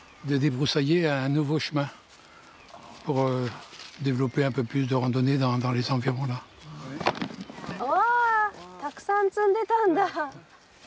うわたくさん積んでたんだ。